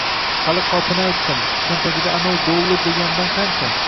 Hali qopini aytdim, cho`ntagida anov do`llur deganidan qancha